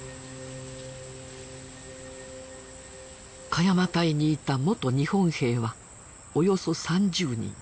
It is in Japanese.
鹿山隊にいた元日本兵はおよそ３０人。